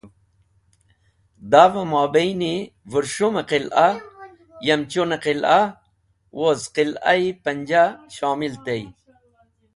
Dave Mobaini VurS̃hum e Qila; Yamchune Qila; woz Qila e Panjah shomil tey.